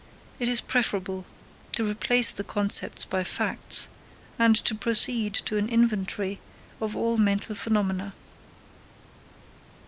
It is preferable to replace the concepts by facts, and to proceed to an inventory of all mental phenomena.